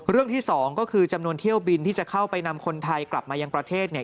ที่สองก็คือจำนวนเที่ยวบินที่จะเข้าไปนำคนไทยกลับมายังประเทศเนี่ย